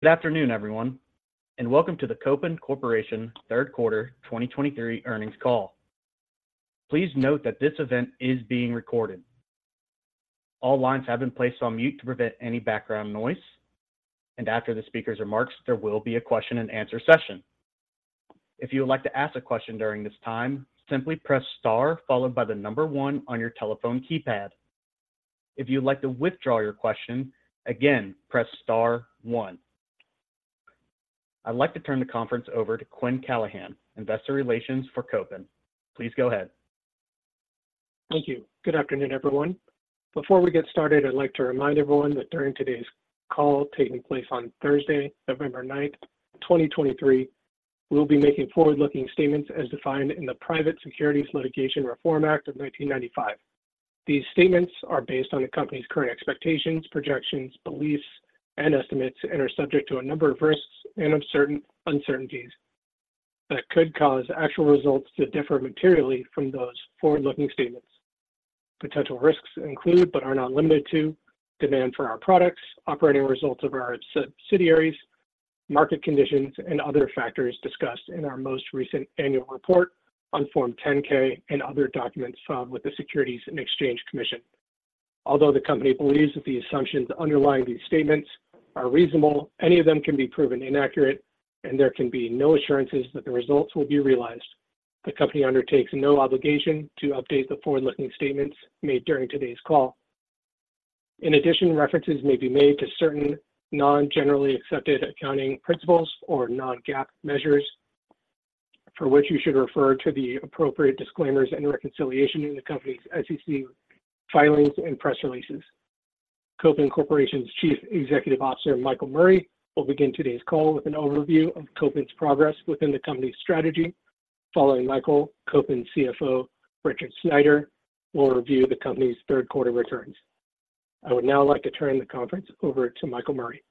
Good afternoon, everyone, and welcome to the Kopin Corporation third quarter 2023 earnings call. Please note that this event is being recorded. All lines have been placed on mute to prevent any background noise, and after the speaker's remarks, there will be a question and answer session. If you would like to ask a question during this time, simply press star followed by the number one on your telephone keypad. If you'd like to withdraw your question, again, press star one. I'd like to turn the conference over to Quinn Callanan, Investor Relations for Kopin. Please go ahead. Thank you. Good afternoon, everyone. Before we get started, I'd like to remind everyone that during today's call, taking place on Thursday, November 9th, 2023, we'll be making forward-looking statements as defined in the Private Securities Litigation Reform Act of 1995. These statements are based on the company's current expectations, projections, beliefs, and estimates and are subject to a number of risks and uncertainties that could cause actual results to differ materially from those forward-looking statements. Potential risks include, but are not limited to, demand for our products, operating results of our subsidiaries, market conditions, and other factors discussed in our most recent annual report on Form 10-K and other documents filed with the Securities and Exchange Commission. Although the Company believes that the assumptions underlying these statements are reasonable, any of them can be proven inaccurate, and there can be no assurances that the results will be realized. The Company undertakes no obligation to update the forward-looking statements made during today's call. In addition, references may be made to certain non-generally accepted accounting principles or non-GAAP measures, for which you should refer to the appropriate disclaimers and reconciliation in the Company's SEC filings and press releases. Kopin Corporation's Chief Executive Officer, Michael Murray, will begin today's call with an overview of Kopin's progress within the company's strategy. Following Michael, Kopin's CFO, Richard Sneider, will review the company's third quarter results. I would now like to turn the call over to Michael Murray.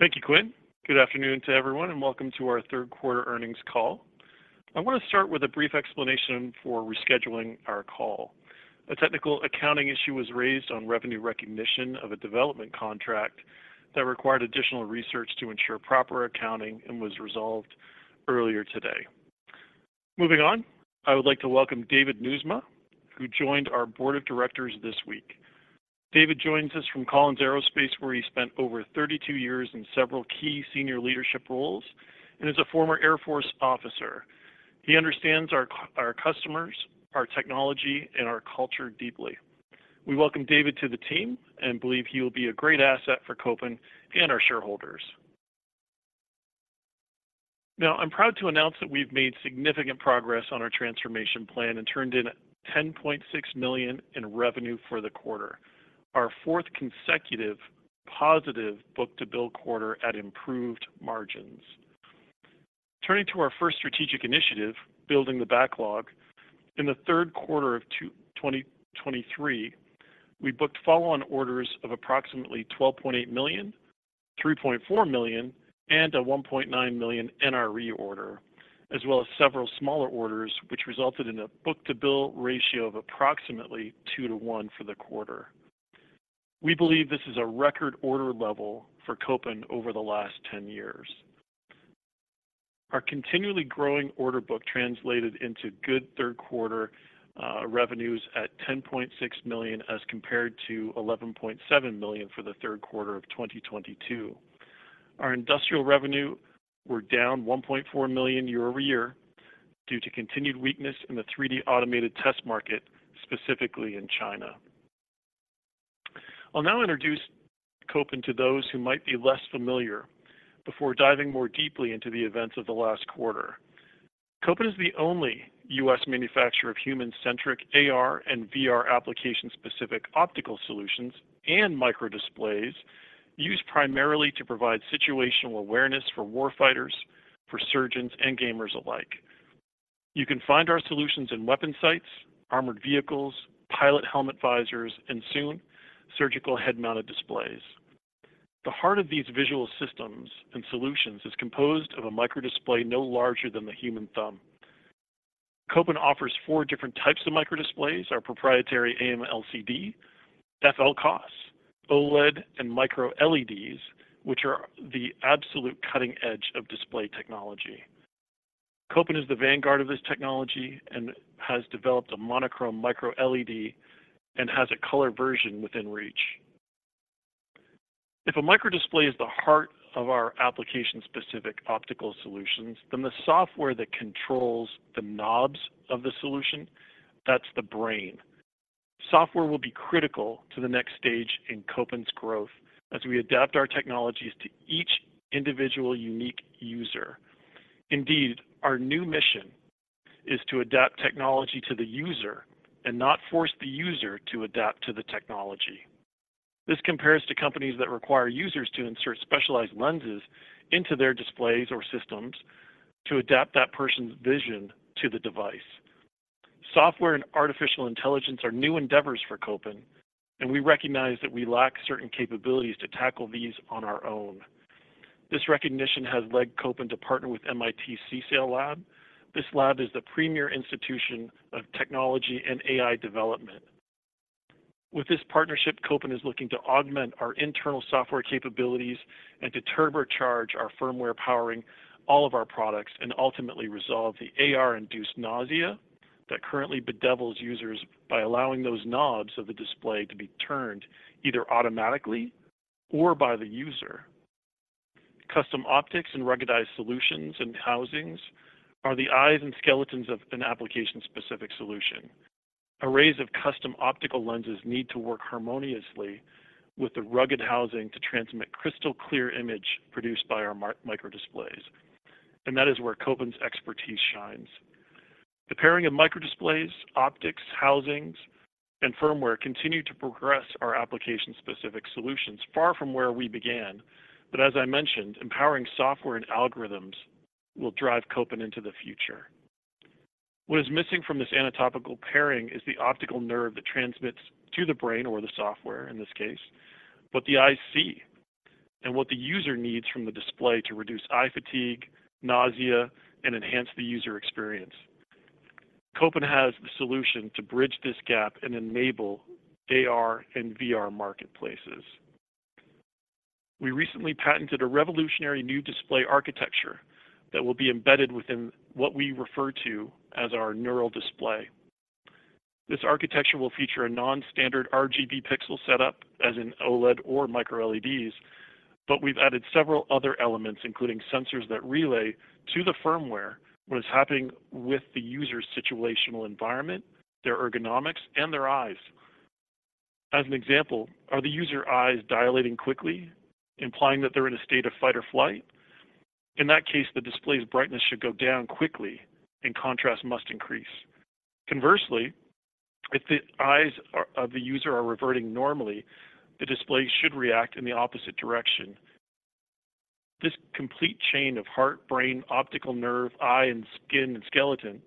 Thank you, Quinn. Good afternoon to everyone, and welcome to our third quarter earnings call. I want to start with a brief explanation for rescheduling our call. A technical accounting issue was raised on revenue recognition of a development contract that required additional research to ensure proper accounting and was resolved earlier today. Moving on, I would like to welcome David Nieuwsma, who joined our board of directors this week. David joins us from Collins Aerospace, where he spent over 32 years in several key senior leadership roles and is a former Air Force officer. He understands our customers, our technology, and our culture deeply. We welcome David to the team and believe he will be a great asset for Kopin and our shareholders. Now, I'm proud to announce that we've made significant progress on our transformation plan and turned in $10.6 million in revenue for the quarter, our fourth consecutive positive book-to-bill quarter at improved margins. Turning to our first strategic initiative, building the backlog, in the third quarter of 2023, we booked follow-on orders of approximately $12.8 million, $3.4 million, and a $1.9 million NRE order, as well as several smaller orders, which resulted in a book-to-bill ratio of approximately 2:1 for the quarter. We believe this is a record order level for Kopin over the last 10 years. Our continually growing order book translated into good third quarter revenues at $10.6 million, as compared to $11.7 million for the third quarter of 2022. Our industrial revenue were down $1.4 million year-over-year due to continued weakness in the 3D automated test market, specifically in China. I'll now introduce Kopin to those who might be less familiar before diving more deeply into the events of the last quarter. Kopin is the only U.S. manufacturer of human-centric AR and VR application-specific optical solutions and microdisplays, used primarily to provide situational awareness for warfighters, for surgeons, and gamers alike. You can find our solutions in weapon sights, armored vehicles, pilot helmet visors, and soon, surgical head-mounted displays. The heart of these visual systems and solutions is composed of a microdisplay no larger than the human thumb. Kopin offers four different types of microdisplays, our proprietary AMLCD, FLCoS, OLED, and microLEDs, which are the absolute cutting edge of display technology. Kopin is the vanguard of this technology and has developed a monochrome microLED and has a color version within reach. If a microdisplay is the heart of our application-specific optical solutions, then the software that controls the knobs of the solution, that's the brain. Software will be critical to the next stage in Kopin's growth as we adapt our technologies to each individual, unique user. Indeed, our new mission is to adapt technology to the user and not force the user to adapt to the technology. This compares to companies that require users to insert specialized lenses into their displays or systems to adapt that person's vision to the device. Software and artificial intelligence are new endeavors for Kopin, and we recognize that we lack certain capabilities to tackle these on our own. This recognition has led Kopin to partner with MIT CSAIL Lab. This lab is the premier institution of technology and AI development. With this partnership, Kopin is looking to augment our internal software capabilities and to turbocharge our firmware, powering all of our products, and ultimately resolve the AR-induced nausea that currently bedevils users by allowing those knobs of the display to be turned either automatically or by the user. Custom optics and ruggedized solutions and housings are the eyes and skeletons of an application-specific solution. Arrays of custom optical lenses need to work harmoniously with the rugged housing to transmit crystal-clear image produced by our microdisplays, and that is where Kopin's expertise shines. The pairing of microdisplays, optics, housings, and firmware continue to progress our application-specific solutions far from where we began. But as I mentioned, empowering software and algorithms will drive Kopin into the future. What is missing from this anatomical pairing is the optical nerve that transmits to the brain or the software, in this case, what the eyes see and what the user needs from the display to reduce eye fatigue, nausea, and enhance the user experience. Kopin has the solution to bridge this gap and enable AR and VR marketplaces. We recently patented a revolutionary new display architecture that will be embedded within what we refer to as our NeuralDisplay. This architecture will feature a non-standard RGB pixel setup, as in OLED or microLEDs, but we've added several other elements, including sensors that relay to the firmware, what is happening with the user's situational environment, their ergonomics, and their eyes. As an example, are the user eyes dilating quickly, implying that they're in a state of fight or flight? In that case, the display's brightness should go down quickly, and contrast must increase. Conversely, if the eyes of the user are reverting normally, the display should react in the opposite direction. This complete chain of heart, brain, optic nerve, eye, and skin and skeleton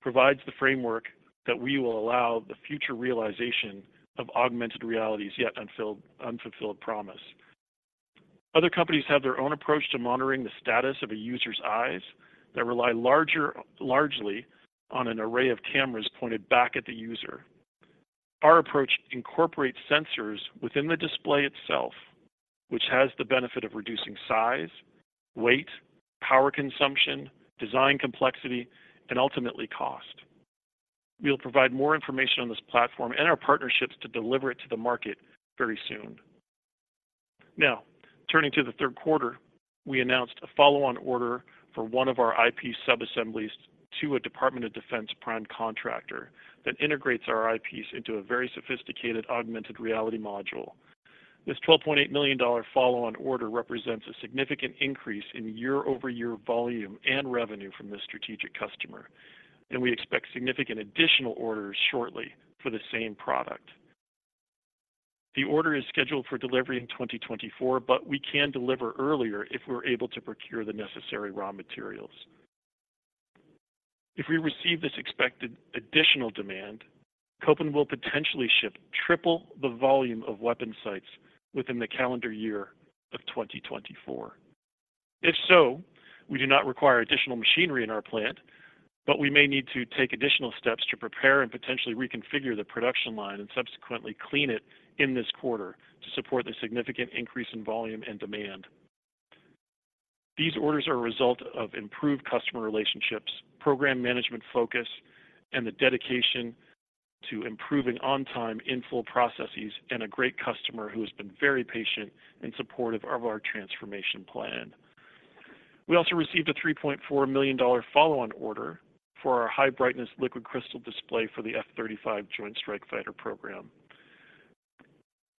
provides the framework that we will allow the future realization of augmented reality's yet unfulfilled promise. Other companies have their own approach to monitoring the status of a user's eyes that rely largely on an array of cameras pointed back at the user. Our approach incorporates sensors within the display itself, which has the benefit of reducing size, weight, power consumption, design complexity, and ultimately cost. We'll provide more information on this platform and our partnerships to deliver it to the market very soon. Now, turning to the third quarter, we announced a follow-on order for one of our IP subassemblies to a Department of Defense prime contractor that integrates our IPs into a very sophisticated augmented reality module. This $12.8 million follow-on order represents a significant increase in year-over-year volume and revenue from this strategic customer, and we expect significant additional orders shortly for the same product. The order is scheduled for delivery in 2024, but we can deliver earlier if we're able to procure the necessary raw materials. If we receive this expected additional demand, Kopin will potentially ship triple the volume of weapon sights within the calendar year of 2024. If so, we do not require additional machinery in our plant, but we may need to take additional steps to prepare and potentially reconfigure the production line and subsequently clean it in this quarter to support the significant increase in volume and demand. These orders are a result of improved customer relationships, program management focus, and the dedication to improving on-time, in-full processes, and a great customer who has been very patient and supportive of our transformation plan. We also received a $3.4 million follow-on order for our high-brightness liquid crystal display for the F-35 Joint Strike Fighter program.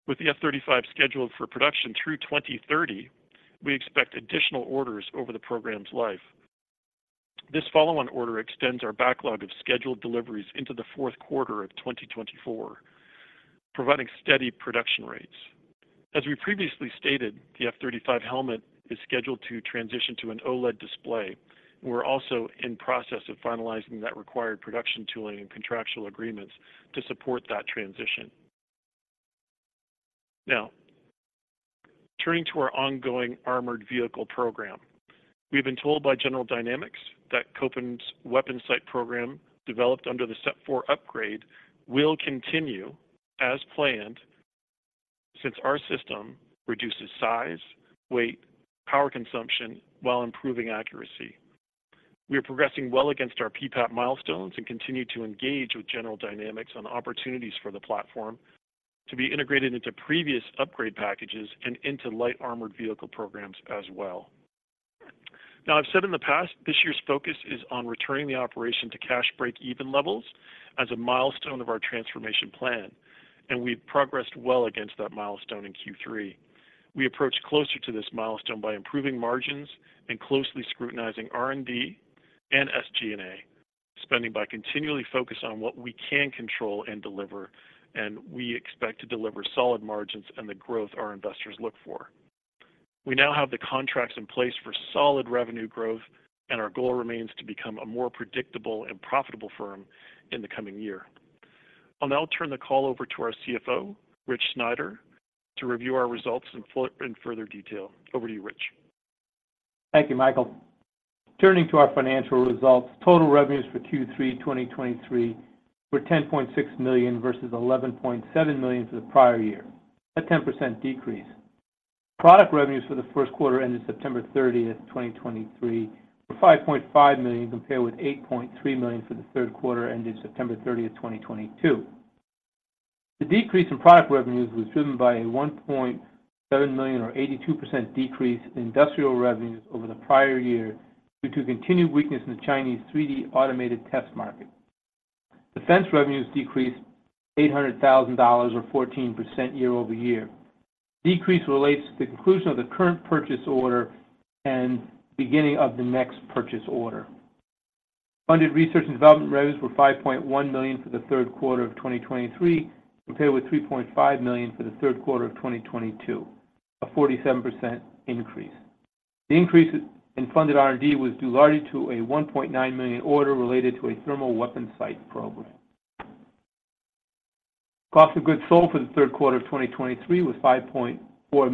With the F-35 scheduled for production through 2030, we expect additional orders over the program's life. This follow-on order extends our backlog of scheduled deliveries into the fourth quarter of 2024, providing steady production rates. As we previously stated, the F-35 helmet is scheduled to transition to an OLED display. We're also in process of finalizing that required production tooling and contractual agreements to support that transition. Now, turning to our ongoing armored vehicle program. We've been told by General Dynamics that Kopin's weapon sight program, developed under the SEP 4 upgrade, will continue as planned since our system reduces size, weight, power consumption while improving accuracy. We are progressing well against our PPAP milestones and continue to engage with General Dynamics on opportunities for the platform to be integrated into previous upgrade packages and into light armored vehicle programs as well. Now, I've said in the past, this year's focus is on returning the operation to cash break-even levels as a milestone of our transformation plan, and we've progressed well against that milestone in Q3. We approach closer to this milestone by improving margins and closely scrutinizing R&D and SG&A spending, by continually focus on what we can control and deliver, and we expect to deliver solid margins and the growth our investors look for. We now have the contracts in place for solid revenue growth, and our goal remains to become a more predictable and profitable firm in the coming year. I'll now turn the call over to our CFO, Rich Sneider, to review our results in full, in further detail. Over to you, Rich. Thank you, Michael. Turning to our financial results, total revenues for Q3 2023 were $10.6 million versus $11.7 million for the prior year, a 10% decrease. Product revenues for the first quarter ended September 30th, 2023, were $5.5 million, compared with $8.3 million for the third quarter ending September 30, 2022. The decrease in product revenues was driven by a $1.7 million or 82% decrease in industrial revenues over the prior year, due to continued weakness in the Chinese 3D automated test market. Defense revenues decreased $800,000 or 14% year over year. Decrease relates to the conclusion of the current purchase order and beginning of the next purchase order. Funded research and development revenues were $5.1 million for the third quarter of 2023, compared with $3.5 million for the third quarter of 2022, a 47% increase. The increase in funded R&D was due largely to a $1.9 million order related to a thermal weapon sight program. Cost of goods sold for the third quarter of 2023 was $5.4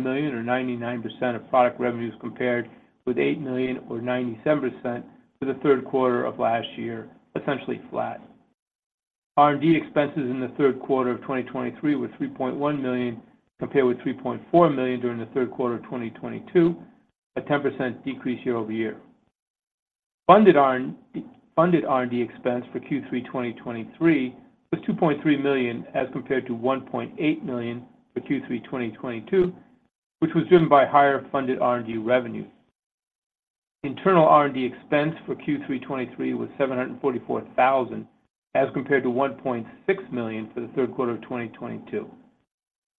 million, or 99% of product revenues, compared with $8 million, or 97% for the third quarter of last year, essentially flat. R&D expenses in the third quarter of 2023 were $3.1 million, compared with $3.4 million during the third quarter of 2022, a 10% decrease year-over-year. Funded R&D expense for Q3 2023 was $2.3 million, as compared to $1.8 million for Q3 2022, which was driven by higher funded R&D revenues. Internal R&D expense for Q3 2023 was $744,000, as compared to $1.6 million for the third quarter of 2022.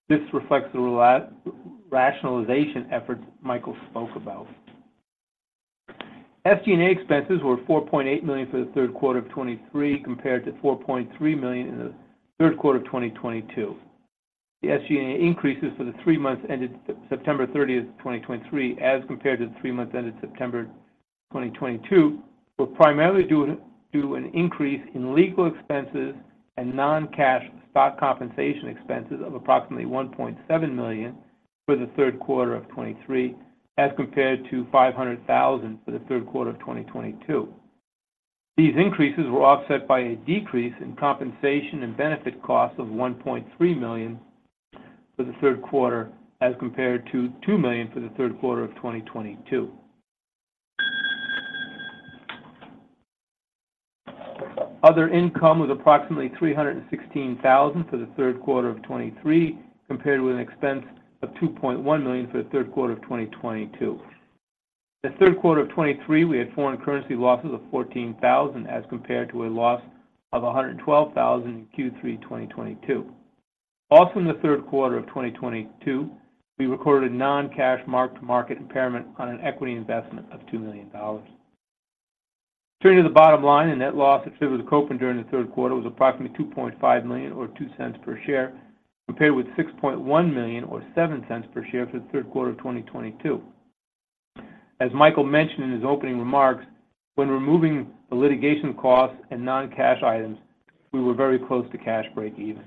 This reflects the rationalization efforts Michael spoke about. SG&A expenses were $4.8 million for the third quarter of 2023, compared to $4.3 million in the third quarter of 2022. The SG&A increases for the three months ended September 30th, 2023, as compared to the three months ended September 30th, 2022, were primarily due to an increase in legal expenses and non-cash stock compensation expenses of approximately $1.7 million for the third quarter of 2023, as compared to $500,000 for the third quarter of 2022. These increases were offset by a decrease in compensation and benefit costs of $1.3 million for the third quarter, as compared to $2 million for the third quarter of 2022. Other income was approximately $316,000 for the third quarter of 2023, compared with an expense of $2.1 million for the third quarter of 2022. The third quarter of 2023, we had foreign currency losses of $14,000, as compared to a loss of $112,000 in Q3 2022. Also, in the third quarter of 2022, we recorded a non-cash mark-to-market impairment on an equity investment of $2 million. Turning to the bottom line, the net loss attributed to Kopin during the third quarter was approximately $2.5 million or $0.02 per share, compared with $6.1 million or $0.07 per share for the third quarter of 2022. As Michael mentioned in his opening remarks, when removing the litigation costs and non-cash items, we were very close to cash break even.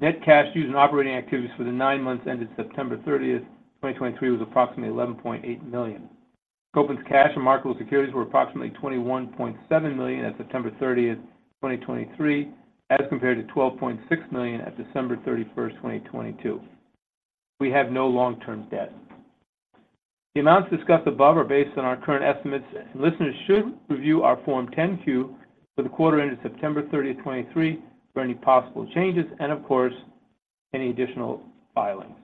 Net cash used in operating activities for the nine months ended September 30th, 2023, was approximately $11.8 million. Kopin's cash and marketable securities were approximately $21.7 million as of September 30th, 2023, as compared to $12.6 million at December 31st, 2022. We have no long-term debt. The amounts discussed above are based on our current estimates, and listeners should review our Form 10-Q for the quarter ended September 30th, 2023, for any possible changes and, of course, any additional filings.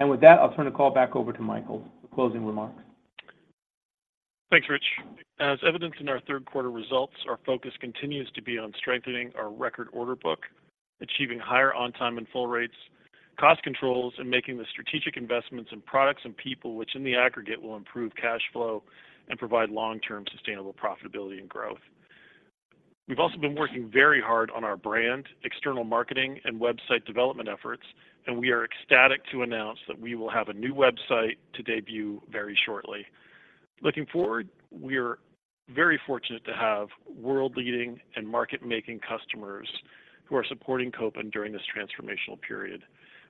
With that, I'll turn the call back over to Michael for closing remarks. Thanks, Rich. As evidenced in our third quarter results, our focus continues to be on strengthening our record order book, achieving higher on-time and full rates, cost controls, and making the strategic investments in products and people, which in the aggregate will improve cash flow and provide long-term sustainable profitability and growth. We've also been working very hard on our brand, external marketing, and website development efforts, and we are ecstatic to announce that we will have a new website to debut very shortly. Looking forward, we are very fortunate to have world-leading and market-making customers who are supporting Kopin during this transformational period.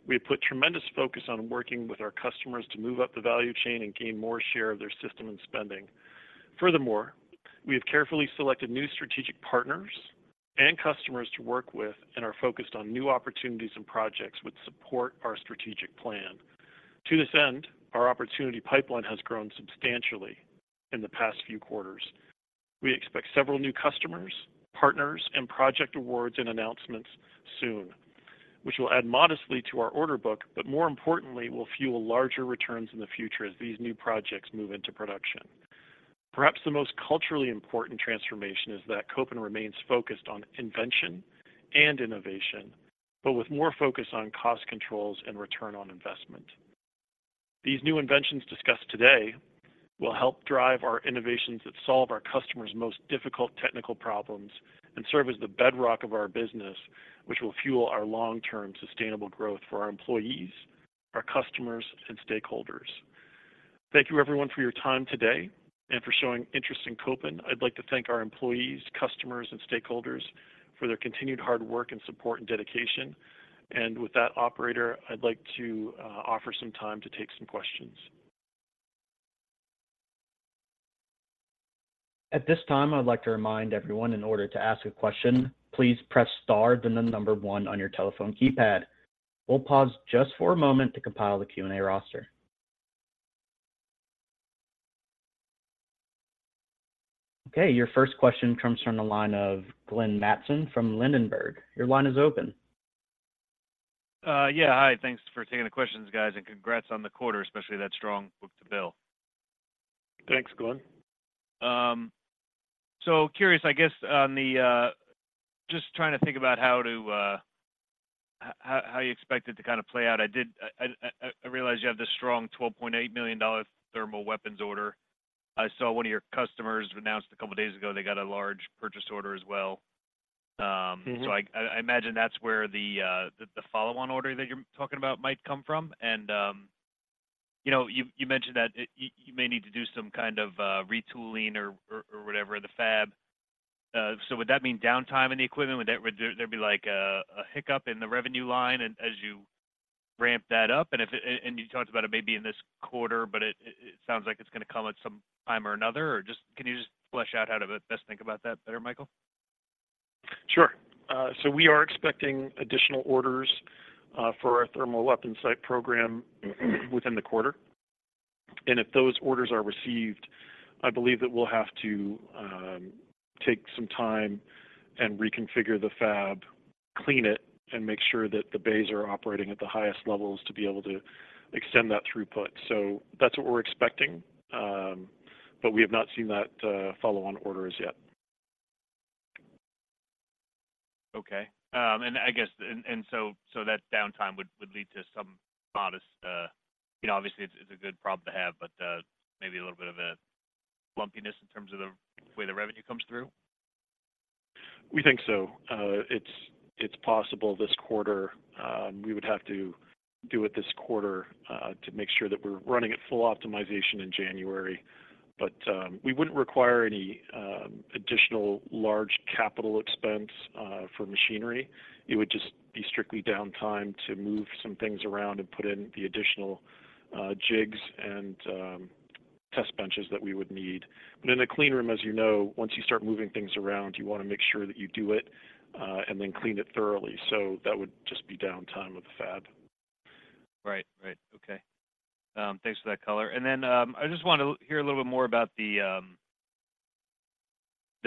We have put tremendous focus on working with our customers to move up the value chain and gain more share of their system and spending. Furthermore, we have carefully selected new strategic partners and customers to work with and are focused on new opportunities and projects which support our strategic plan. To this end, our opportunity pipeline has grown substantially in the past few quarters. We expect several new customers, partners, and project awards and announcements soon, which will add modestly to our order book, but more importantly, will fuel larger returns in the future as these new projects move into production. Perhaps the most culturally important transformation is that Kopin remains focused on invention and innovation, but with more focus on cost controls and return on investment. These new inventions discussed today will help drive our innovations that solve our customers' most difficult technical problems and serve as the bedrock of our business, which will fuel our long-term sustainable growth for our employees, our customers, and stakeholders. Thank you everyone for your time today and for showing interest in Kopin. I'd like to thank our employees, customers, and stakeholders for their continued hard work and support and dedication. With that, operator, I'd like to offer some time to take some questions. At this time, I'd like to remind everyone, in order to ask a question, please press star, then the number one on your telephone keypad. We'll pause just for a moment to compile the Q&A roster. Okay, your first question comes from the line of Glenn Mattson from Ladenburg. Your line is open. Yeah, hi. Thanks for taking the questions, guys, and congrats on the quarter, especially that strong book-to-bill. Thanks, Glenn. So, curious, I guess, on the, just trying to think about how you expect it to kind of play out. I realize you have this strong $12.8 million thermal weapons order. I saw one of your customers announced a couple of days ago they got a large purchase order as well. Mm-hmm. So I imagine that's where the follow-on order that you're talking about might come from. And you know, you mentioned that you may need to do some kind of retooling or whatever, the fab. So would that mean downtime in the equipment? Would there be, like, a hiccup in the revenue line and as you ramp that up? And if it... And you talked about it maybe in this quarter, but it sounds like it's gonna come at some time or another. Or just can you just flesh out how to best think about that better, Michael? Sure. So we are expecting additional orders for our thermal weapon sight program within the quarter. And if those orders are received, I believe that we'll have to take some time and reconfigure the fab, clean it, and make sure that the bays are operating at the highest levels to be able to extend that throughput. So that's what we're expecting, but we have not seen that follow-on orders yet. Okay. And I guess... and so that downtime would lead to some modest, you know, obviously, it's a good problem to have, but maybe a little bit of a lumpiness in terms of the way the revenue comes through? We think so. It's possible this quarter. We would have to do it this quarter to make sure that we're running at full optimization in January. But we wouldn't require any additional large capital expense for machinery. It would just be strictly downtime to move some things around and put in the additional jigs and test benches that we would need. But in the clean room, as you know, once you start moving things around, you wanna make sure that you do it and then clean it thoroughly. So that would just be downtime of the fab. Right. Right. Okay. Thanks for that color. And then, I just want to hear a little bit more about the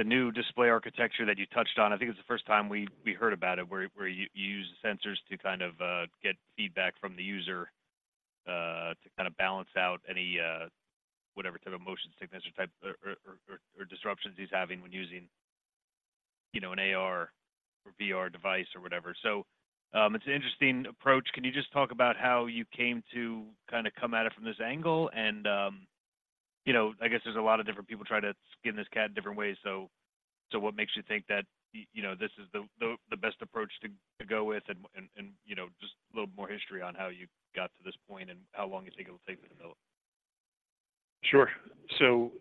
new display architecture that you touched on. I think it's the first time we heard about it, where you use the sensors to kind of get feedback from the user to kind of balance out any whatever type of motion sickness or type or disruptions he's having when using, you know, an AR or VR device or whatever. So, it's an interesting approach. Can you just talk about how you came to kind of come at it from this angle? And, you know, I guess there's a lot of different people trying to skin this cat in different ways. So, what makes you think that, you know, this is the best approach to go with? And, you know, just a little more history on how you got to this point and how long you think it will take to develop. Sure. So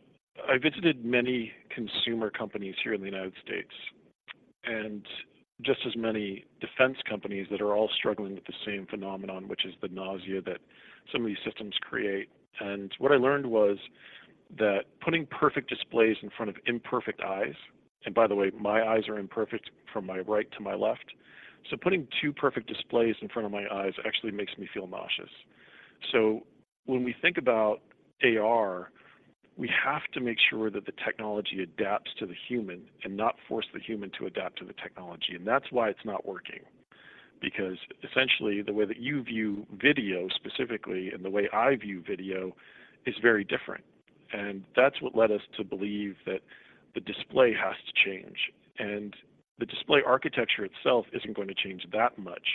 I visited many consumer companies here in the United States, and just as many defense companies that are all struggling with the same phenomenon, which is the nausea that some of these systems create. And what I learned was that putting perfect displays in front of imperfect eyes, and by the way, my eyes are imperfect from my right to my left, so putting two perfect displays in front of my eyes actually makes me feel nauseous. So when we think about AR, we have to make sure that the technology adapts to the human and not force the human to adapt to the technology. And that's why it's not working, because essentially, the way that you view video, specifically, and the way I view video is very different. That's what led us to believe that the display has to change, and the display architecture itself isn't going to change that much.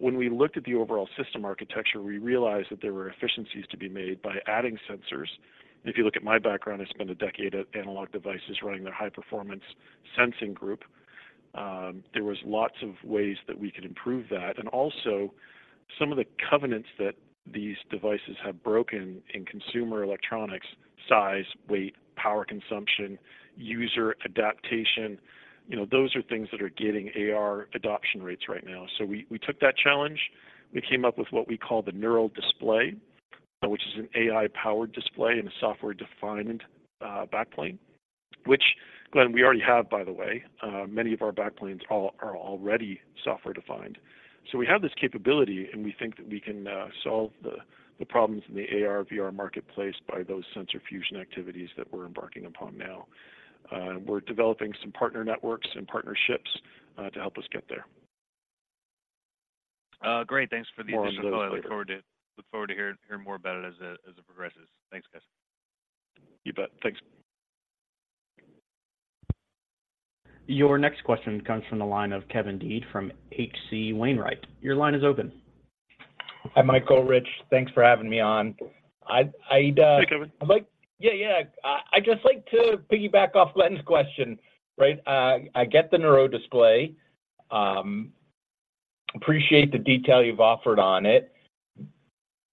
When we looked at the overall system architecture, we realized that there were efficiencies to be made by adding sensors. If you look at my background, I spent a decade at Analog Devices running their high-performance sensing group. There was lots of ways that we could improve that. And also, some of the constraints that these devices have broken in consumer electronics, size, weight, power consumption, user adaptation, you know, those are things that are getting AR adoption rates right now. We took that challenge. We came up with what we call the NeuralDisplay, which is an AI-powered display and a software-defined back plane, which, Glenn, we already have, by the way. Many of our back planes are already software-defined. So we have this capability, and we think that we can solve the problems in the AR/VR marketplace by those sensor fusion activities that we're embarking upon now. We're developing some partner networks and partnerships to help us get there. Great. Thanks for the additional color. More on those later. I look forward to hearing more about it as it progresses. Thanks, guys. You bet. Thanks. Your next question comes from the line of Kevin Dede from H.C. Wainwright. Your line is open. Hi, Michael, Rich. Thanks for having me on. I'd Hey, Kevin. I'd like... Yeah, yeah. I'd just like to piggyback off Glenn's question, right? I get the NeuralDisplay. Appreciate the detail you've offered on it.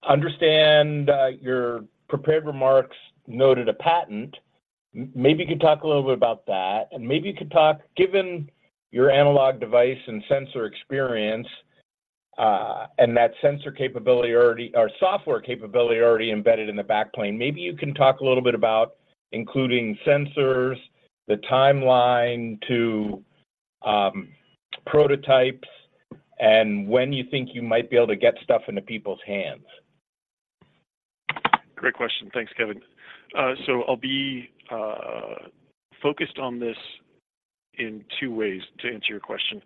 Understand, your prepared remarks noted a patent. Maybe you could talk a little bit about that, and maybe you could talk, given your analog device and sensor experience, and that sensor capability already or software capability already embedded in the backplane, maybe you can talk a little bit about including sensors, the timeline to prototypes, and when you think you might be able to get stuff into people's hands. Great question. Thanks, Kevin. So I'll be focused on this in two ways to answer your question.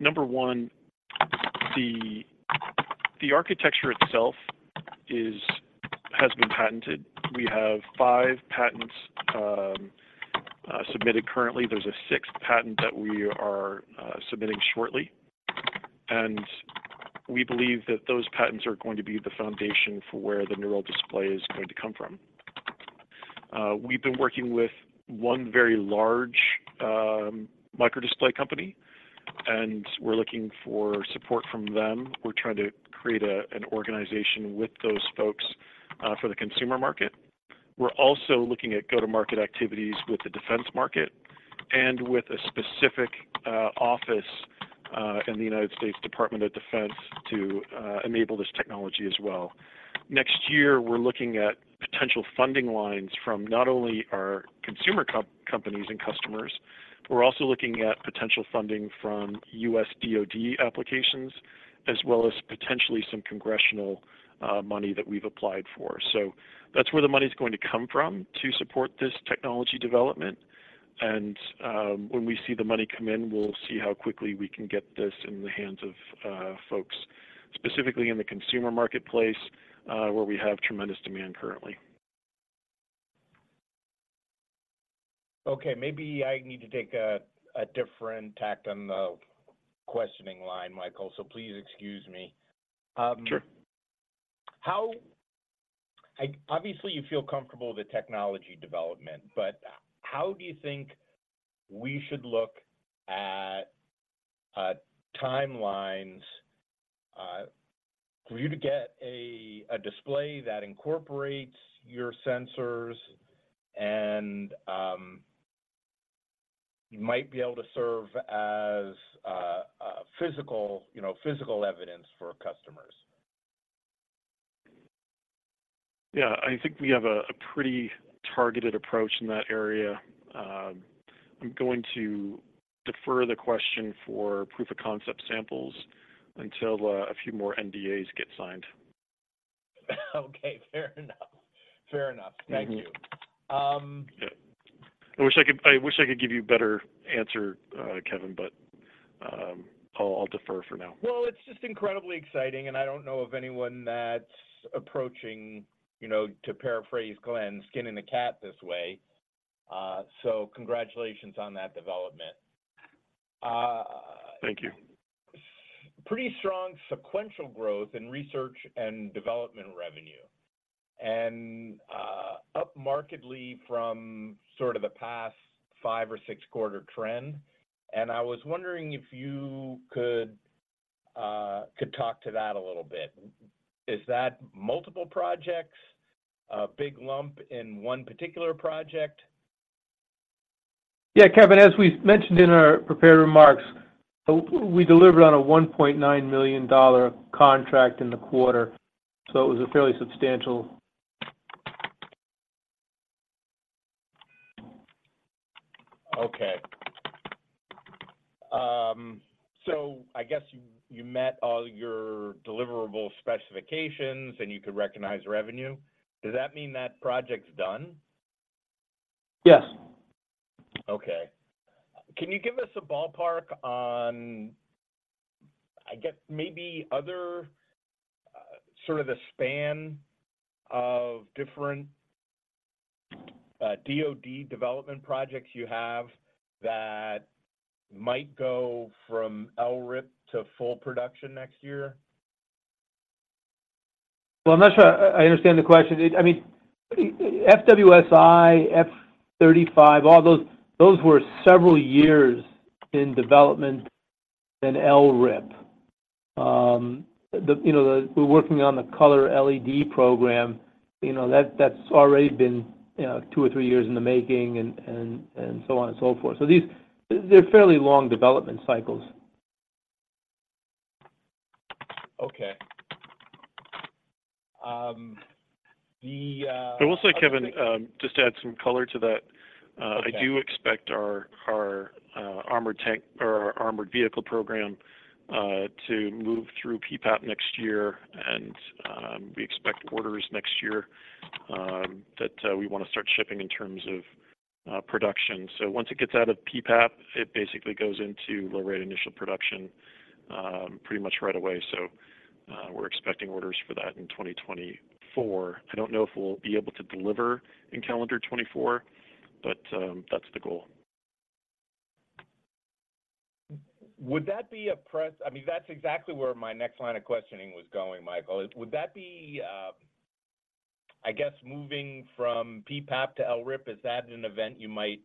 Number one, the architecture itself is has been patented. We have five patents submitted currently. There's a sixth patent that we are submitting shortly, and we believe that those patents are going to be the foundation for where the NeuralDisplay is going to come from. We've been working with one very large microdisplay company, and we're looking for support from them. We're trying to create an organization with those folks for the consumer market. We're also looking at go-to-market activities with the defense market and with a specific office in the U.S. Department of Defense to enable this technology as well. Next year, we're looking at potential funding lines from not only our consumer companies and customers, we're also looking at potential funding from U.S. DOD applications, as well as potentially some congressional money that we've applied for. So that's where the money's going to come from to support this technology development, and when we see the money come in, we'll see how quickly we can get this in the hands of folks, specifically in the consumer marketplace, where we have tremendous demand currently. Okay, maybe I need to take a different tack on the questioning line, Michael, so please excuse me. Sure. How, obviously, you feel comfortable with the technology development, but how do you think we should look at timelines for you to get a display that incorporates your sensors and you might be able to serve as a physical, you know, physical evidence for customers? Yeah, I think we have a pretty targeted approach in that area. I'm going to defer the question for proof of concept samples until a few more NDAs get signed. Okay, fair enough. Fair enough. Mm-hmm. Thank you. Yeah. I wish I could, I wish I could give you a better answer, Kevin, but, I'll, I'll defer for now. Well, it's just incredibly exciting, and I don't know of anyone that's approaching, you know, to paraphrase Glenn, "Skinning the cat this way." So congratulations on that development. Thank you. Pretty strong sequential growth in research and development revenue, and up markedly from sort of the past five or six quarter trend, and I was wondering if you could talk to that a little bit. Is that multiple projects, a big lump in one particular project? Yeah, Kevin, as we mentioned in our prepared remarks, we delivered on a $1.9 million contract in the quarter, so it was a fairly substantial. Okay. So I guess you met all your deliverable specifications, and you could recognize revenue. Does that mean that project's done? Yes. Okay. Can you give us a ballpark on, I guess, maybe other, sort of the span of different DoD development projects you have, that might go from LRIP to full production next year? Well, I'm not sure I understand the question. It, I mean, FWS-I, F-35, all those were several years in development, in LRIP. You know, the... We're working on the color LED program, you know, that's already been two or three years in the making and so on and so forth. So these, they're fairly long development cycles. Okay. I will say, Kevin, just to add some color to that- Okay... I do expect our armored tank or our armored vehicle program to move through PPAP next year, and we expect orders next year that we wanna start shipping in terms of production. So once it gets out of PPAP, it basically goes into low rate initial production pretty much right away. So, we're expecting orders for that in 2024. I don't know if we'll be able to deliver in calendar 2024, but that's the goal. I mean, that's exactly where my next line of questioning was going, Michael. Would that be, I guess moving from PPAP to LRIP, is that an event you might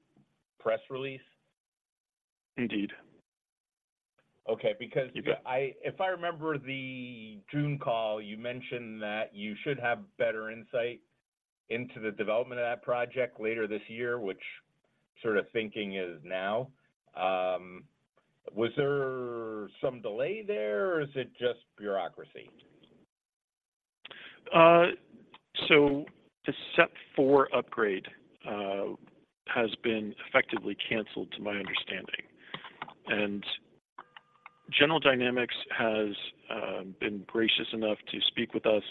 press release? Indeed. Okay, because- You bet. If I remember the June call, you mentioned that you should have better insight into the development of that project later this year, which sort of thinking is now. Was there some delay there, or is it just bureaucracy? So the SEP 4 upgrade has been effectively canceled, to my understanding. And General Dynamics has been gracious enough to speak with us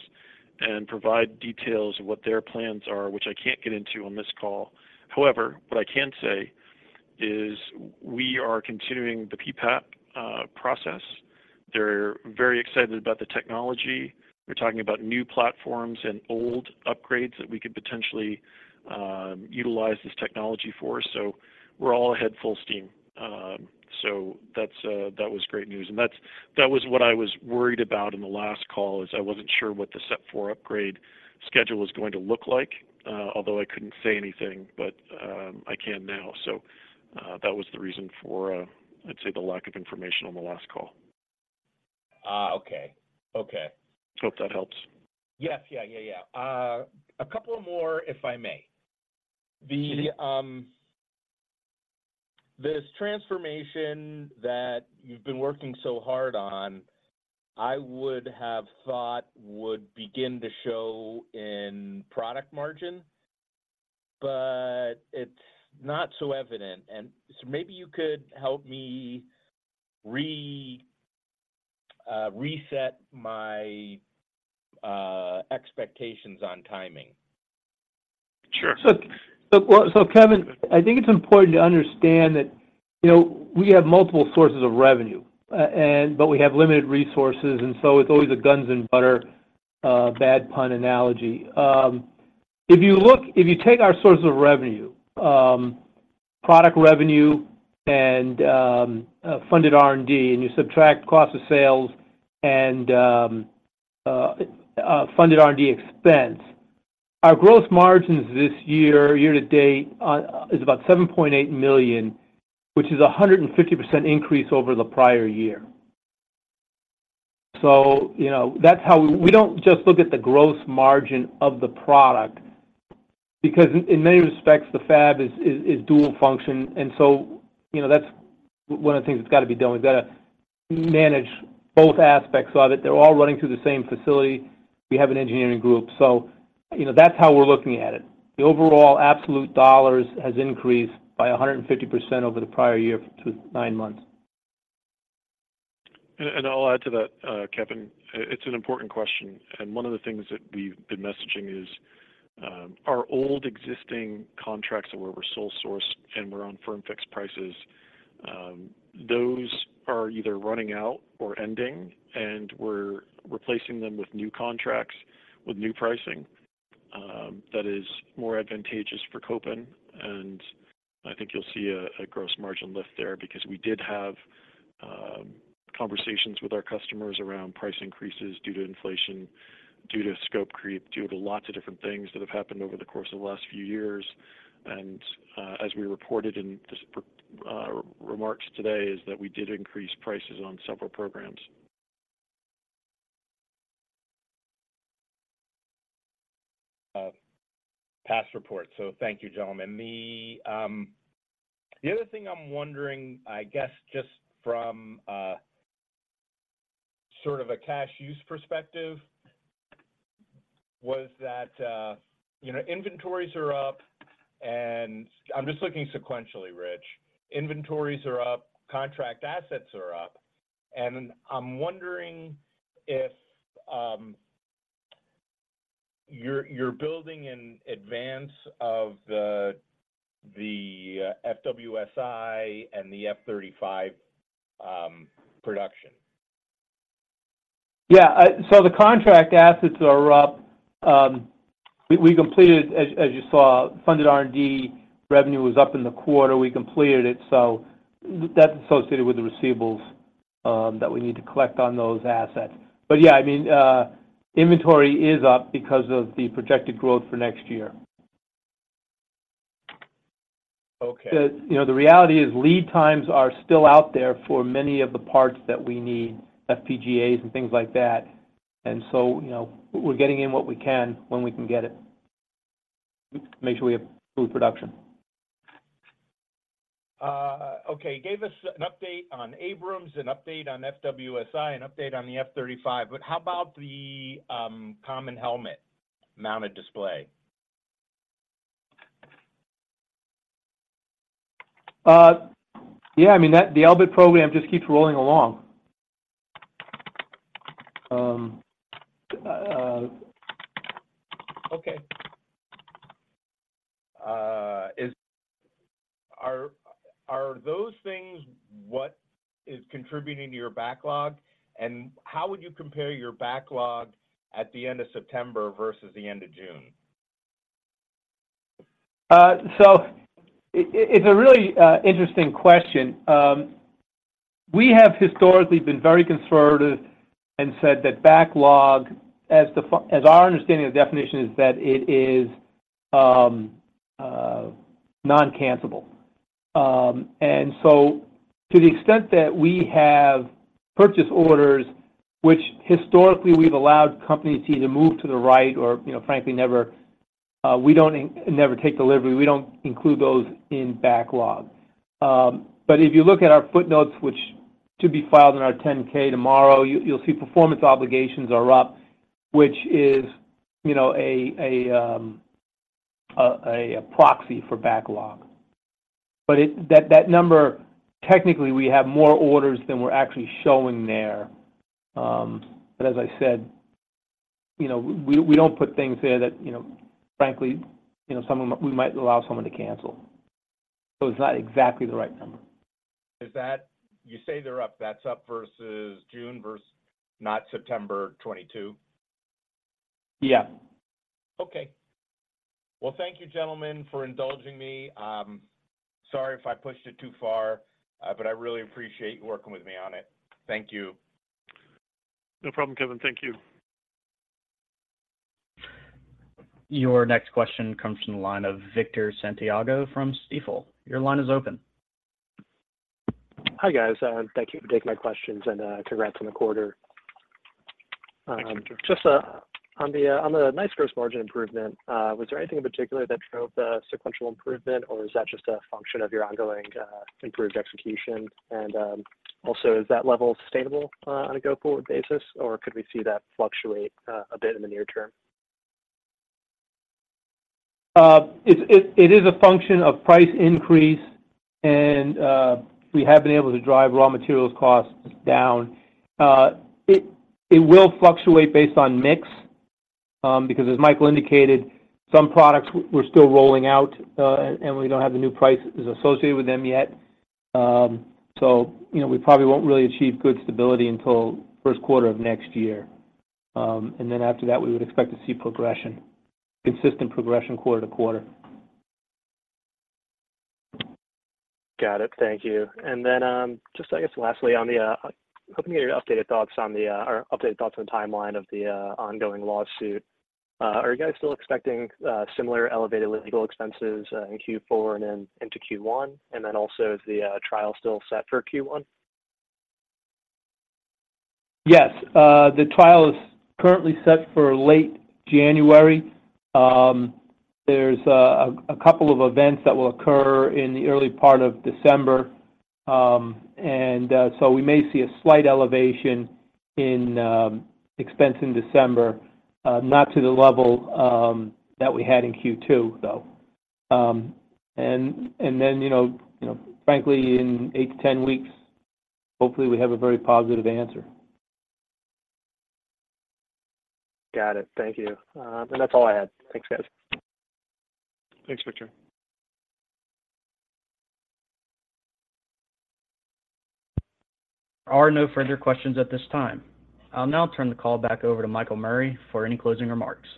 and provide details of what their plans are, which I can't get into on this call. However, what I can say is we are continuing the PPAP process. They're very excited about the technology. We're talking about new platforms and old upgrades that we could potentially utilize this technology for, so we're all ahead full steam. So that's that was great news, and that's that was what I was worried about in the last call, is I wasn't sure what the SEP 4 upgrade schedule was going to look like, although I couldn't say anything. But I can now. So that was the reason for, I'd say, the lack of information on the last call. Ah, okay. Okay. Hope that helps. Yes. Yeah, yeah, yeah. A couple of more, if I may. Sure. This transformation that you've been working so hard on, I would have thought would begin to show in product margin, but it's not so evident. And so maybe you could help me reset my expectations on timing. Sure. Well, so Kevin, I think it's important to understand that, you know, we have multiple sources of revenue, and but we have limited resources, and so it's always a guns and butter, bad pun analogy. If you take our sources of revenue, product revenue and funded R&D, and you subtract cost of sales and funded R&D expense, our gross margins this year, year to date, is about $7.8 million, which is a 150% increase over the prior year. So, you know, that's how. We don't just look at the gross margin of the product, because in many respects, the fab is dual function. And so, you know, that's one of the things that's got to be done. We've got to manage both aspects of it. They're all running through the same facility. We have an engineering group, so, you know, that's how we're looking at it. The overall absolute dollars has increased by 150% over the prior year to 9 months. I'll add to that, Kevin. It's an important question, and one of the things that we've been messaging is our old existing contracts that, where we're sole source and we're on firm fixed prices, those are either running out or ending, and we're replacing them with new contracts, with new pricing that is more advantageous for Kopin. And I think you'll see a gross margin lift there because we did have conversations with our customers around price increases due to inflation, due to scope creep, due to lots of different things that have happened over the course of the last few years. And, as we reported in these prepared remarks today, we did increase prices on several programs. Past report, so thank you, gentlemen. The, the other thing I'm wondering, I guess, just from, sort of a cash use perspective, was that, you know, inventories are up, and I'm just looking sequentially, Rich. Inventories are up, contract assets are up, and I'm wondering if, you're, you're building in advance of the, the, FWS-I and the F-35, production. Yeah, so the contract assets are up. We completed, as you saw, funded R&D. Revenue was up in the quarter, we completed it, so that's associated with the receivables that we need to collect on those assets. But yeah, I mean, inventory is up because of the projected growth for next year. Okay. you know, the reality is lead times are still out there for many of the parts that we need, FPGAs and things like that. And so, you know, we're getting in what we can, when we can get it. Make sure we have smooth production. Okay. You gave us an update on Abrams, an update on FWSI, an update on the F-35, but how about the Common Helmet-Mounted Display? Yeah, I mean, the Elbit program just keeps rolling along. Okay. Are those things what is contributing to your backlog? And how would you compare your backlog at the end of September versus the end of June? So it, it's a really interesting question. We have historically been very conservative and said that backlog, as our understanding of the definition, is that it is non-cancelable. And so to the extent that we have purchase orders, which historically we've allowed companies to either move to the right or, you know, frankly, never, we don't never take delivery, we don't include those in backlog. But if you look at our footnotes, which should be filed in our 10-K tomorrow, you, you'll see performance obligations are up, which is, you know, a proxy for backlog. But that, that number, technically, we have more orders than we're actually showing there. But as I said, you know, we don't put things there that, you know, frankly, you know, someone, we might allow someone to cancel. So it's not exactly the right number. Is that... You say they're up, that's up versus June versus not September 2022? Yeah. Okay. Well, thank you, gentlemen, for indulging me. Sorry if I pushed it too far, but I really appreciate you working with me on it. Thank you. No problem, Kevin. Thank you. Your next question comes from the line of Victor Santiago from Stifel. Your line is open. Hi, guys. Thank you for taking my questions, and congrats on the quarter. Thanks, Victor. Just on the nice gross margin improvement, was there anything in particular that drove the sequential improvement, or is that just a function of your ongoing improved execution? And also, is that level sustainable on a go-forward basis, or could we see that fluctuate a bit in the near term? It's a function of price increase, and we have been able to drive raw materials costs down. It will fluctuate based on mix, because as Michael indicated, some products we're still rolling out, and we don't have the new prices associated with them yet. So, you know, we probably won't really achieve good stability until first quarter of next year. And then after that, we would expect to see progression, consistent progression quarter to quarter. Got it. Thank you. And then, just I guess lastly, on the hoping to get your updated thoughts on the or updated thoughts on the timeline of the ongoing lawsuit. Are you guys still expecting similar elevated legal expenses in Q4 and then into Q1? And then also, is the trial still set for Q1? Yes, the trial is currently set for late January. There's a couple of events that will occur in the early part of December. And so we may see a slight elevation in expense in December, not to the level that we had in Q2, though. And then, you know, frankly, in 8 weeks-10 weeks, hopefully, we have a very positive answer. Got it. Thank you. That's all I had. Thanks, guys. Thanks, Victor. There are no further questions at this time. I'll now turn the call back over to Michael Murray for any closing remarks.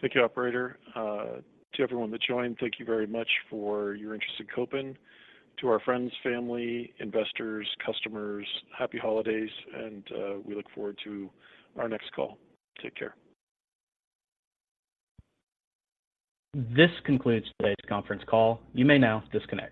Thank you, operator. To everyone that joined, thank you very much for your interest in Kopin. To our friends, family, investors, customers, happy holidays, and we look forward to our next call. Take care. This concludes today's conference call. You may now disconnect.